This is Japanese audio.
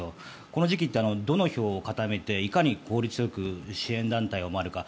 この時期って、どの票を固めていかに効率よく支援団体を回るか。